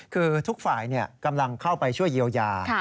คือทุกฝ่ายกำลังเข้าไปช่วยเยียวยา